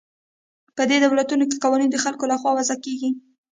په دې دولتونو کې قوانین د خلکو له خوا وضع کیږي.